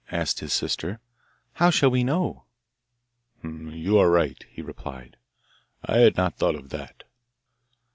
asked his sister. 'How shall we know?' 'You are right,' he replied; ' I had not thought of that!